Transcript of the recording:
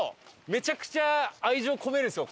めちゃくちゃ愛情込めるんですよ